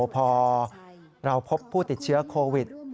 พอเราพบผู้ติดเชื้อโควิด